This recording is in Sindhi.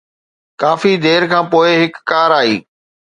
ڪافي دير کان پوءِ هڪ ڪار آئي.